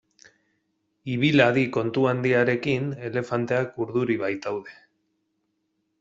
Ibil hadi kontu handiarekin elefanteak urduri baitaude.